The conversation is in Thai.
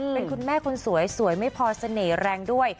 เป็นคุณแม่คนสวยสวยไม่พอเสน่ห์แรงด้วย